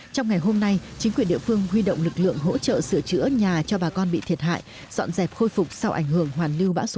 trong ngày hôm nay chính quyền địa phương huy động lực lượng hỗ trợ sửa chữa nhà cho bà con bị thiệt hại dọn dẹp khôi phục sau ảnh hưởng hoàn lưu bão số năm